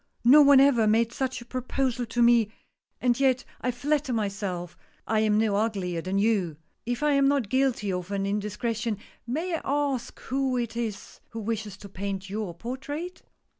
" No one ever made such a proposal to me, and yet I THE PORTRAIT. 125 flatter myself I am no uglier than you ! If I am not guilty of an indiscretion, may I ask who it is who wishes to paint your portrait